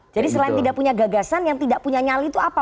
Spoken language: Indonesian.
jadi selain tidak punya gagasan yang tidak punya nyali itu apa